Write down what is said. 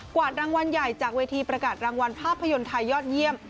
วาดรางวัลใหญ่จากเวทีประกาศรางวัลภาพยนตร์ไทยยอดเยี่ยม